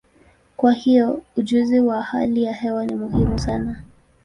Kwa hiyo, ujuzi wa hali ya hewa ni muhimu sana.